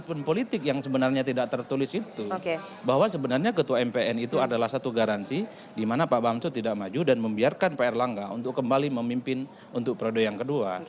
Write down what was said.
dan ada yang politik yang sebenarnya tidak tertulis itu bahwa sebenarnya ketua mpr itu adalah satu garansi di mana pak bamsud tidak maju dan membiarkan pr langga untuk kembali memimpin untuk pr yang kedua